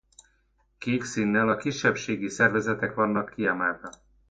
Kék színnel a kisebbségi szervezetek vannak kiemelve.